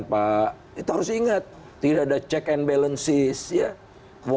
pak itu harus ingat tidak ada check and balances ya